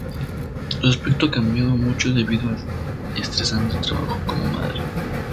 Su aspecto ha cambiado mucho debido al estresante trabajo como madre.